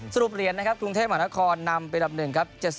สรุปเรียนนะครับกรุงเทพหมานครนำไปดับ๑ครับ